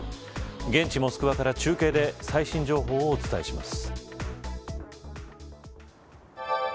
現地モスクワから中継で最新情報をお伝えします。